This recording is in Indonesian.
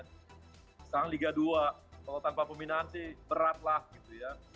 misalnya liga dua kalau tanpa pembinaan sih berat lah gitu ya